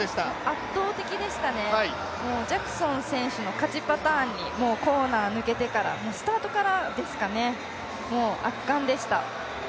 圧倒的でしたね、ジャクソン選手の勝ちパターンに、もうコーナー抜けてから、スタートからですかね、もう圧巻でした。